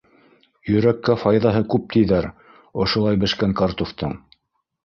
Йөрәккә файҙаһы күп тиҙәр ошолай бешкән картуфтың...